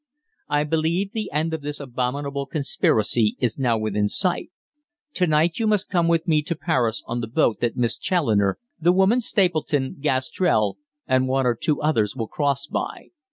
I believe the end of this abominable conspiracy is now within sight. To night you must come with me to Paris on the boat that Miss Challoner, the woman Stapleton, Gastrell, and one or two others will cross by.